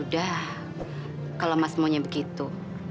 ya sudah kalau mas maunya begitu